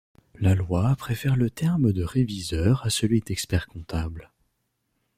La loi préfère le terme de réviseur à celui d'expert-comptable.